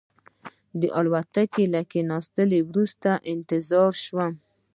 د الوتکې له کېناستو وروسته انتظار شوم.